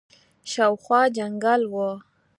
شاوخوا جنګل وو.